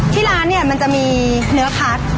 ที่ร้านเนี่ยมันจะมีเนื้อคัด